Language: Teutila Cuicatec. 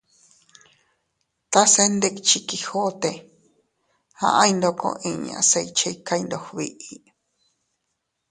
Tase ndikchi Quijote, aʼay ndoko inña se iychikay ndog biʼi.